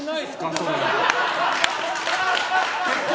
それ。